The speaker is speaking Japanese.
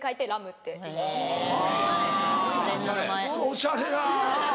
おしゃれだな。